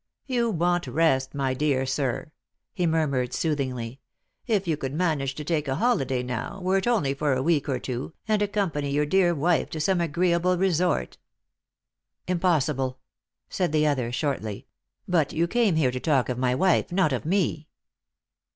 " You want rest, my dear sir," he murmured soothingly. " If yon could manage to take a holiday now, were it only for a week or two, and accompany your dear wife to some agreeable resort "" Impossible," said the other shortly. " But you came here to talk of my wife, not of me."